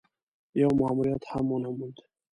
يو ماموريت هم ونه موند.